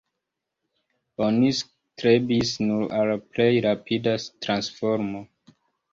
Oni strebis nur al la plej rapida transformo.